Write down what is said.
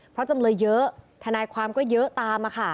เพราะจำเลยเยอะทนายความก็เยอะตาม